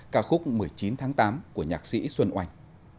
ca khúc một mươi chín tháng tám của nhạc sĩ xuân oanh